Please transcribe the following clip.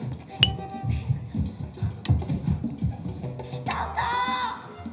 来たか！